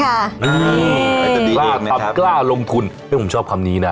กล้าทำกล้าลงทุนเพราะฉะนั้นผมชอบคำนี้นะ